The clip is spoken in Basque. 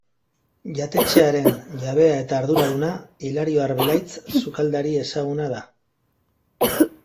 Jatetxearen jabea eta arduraduna Hilario Arbelaitz sukaldari ezaguna da.